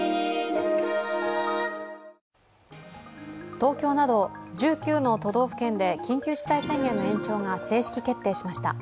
東京など１９の都道府県で緊急事態宣言の延長が正式決定しました。